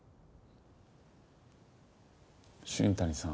新谷さん。